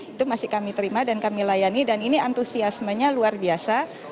itu masih kami terima dan kami layani dan ini antusiasmenya luar biasa